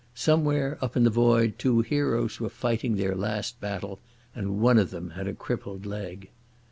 Somewhere up in the void two heroes were fighting their last battle—and one of them had a crippled leg.